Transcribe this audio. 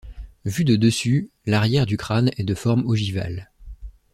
Vu de dessus, l'arrière du crâne est de forme ogivale.